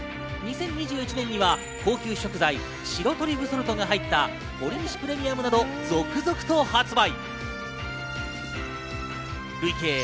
２０２１年には高級食材白トリュフソルトなどが入った、ほりにしプレミアムなど続々と発売。